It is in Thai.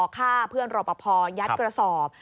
ฆ่าเพื่อนรอปภยัดกระสอบ